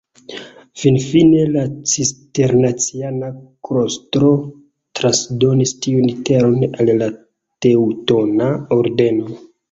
Finfine la cisterciana klostro transdonis tiun Teron al la Teŭtona Ordeno.